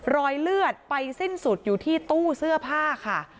รอยเลือดไปสิ้นสุดอยู่ที่ตู้เสื้อผ้าค่ะ